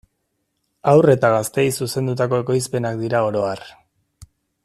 Haur eta gazteei zuzendutako ekoizpenak dira oro har.